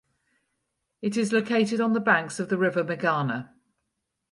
It is located on the banks of the river Meghana.